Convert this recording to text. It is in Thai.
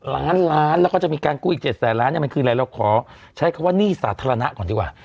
ล้านล้านแล้วก็จะมีการกู้อีก๗แสนล้านเนี่ยมันคืออะไรเราขอใช้คำว่าหนี้สาธารณะก่อนดีกว่า